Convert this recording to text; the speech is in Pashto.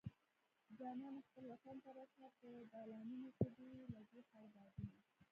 جانانه خپل وطن ته راشه په دالانونو کې دې لګي خړ بادونه